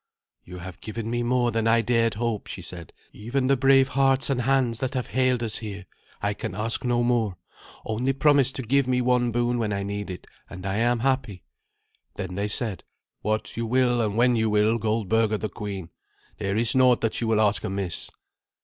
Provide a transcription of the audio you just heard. "You have given me more than I dared hope," she said, "even the brave hearts and hands that have hailed us here. I can ask no more. Only promise to give me one boon when I need it, and I am happy." Then they said, "What you will, and when you will, Goldberga, the queen. There is naught that you will ask amiss."